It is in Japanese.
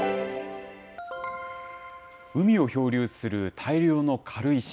海を漂流する大量の軽石。